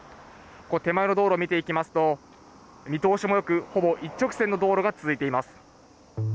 手前の道路を見ていきますと、見通しもよく、ほぼ一直線の道路が続いています。